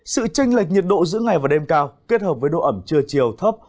sự tranh lệch nhiệt độ giữa ngày và đêm cao kết hợp với độ ẩm trưa chiều thấp